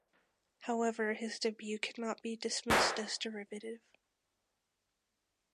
However, his debut cannot be dismissed as derivative.